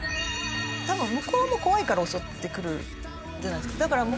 多分向こうも怖いから襲ってくるじゃないですか。